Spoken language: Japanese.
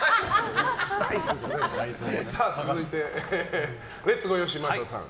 続いてレッツゴーよしまささん。